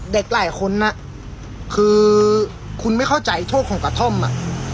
เด็กหลายคนน่ะคือคุณไม่เข้าใจโทษของกระท่อมอ่ะ